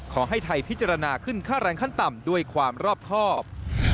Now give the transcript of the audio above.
ขอให้ไทยพิจารณาขึ้นค่าแรงขั้นต่ำด้วยความรอบครอบ